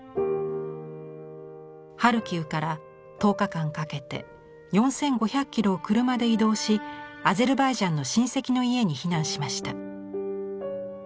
ハルキウから１０日間かけて４５００キロを車で移動しアゼルバイジャンの親戚の家に避難しました。